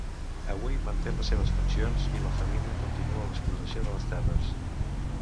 Avui manté les seves funcions i la família continua l'explotació de les terres.